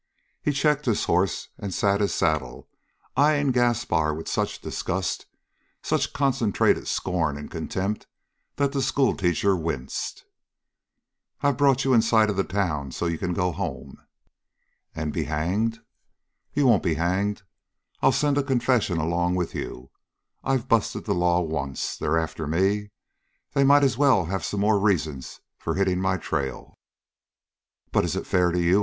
He checked his horse and sat his saddle, eying Gaspar with such disgust, such concentrated scorn and contempt, that the schoolteacher winced. "I've brought you in sight of the town so's you can go home." "And be hanged?" "You won't be hanged. I'll send a confession along with you. I've busted the law once. They're after me. They might as well have some more reasons for hitting my trail." "But is it fair to you?"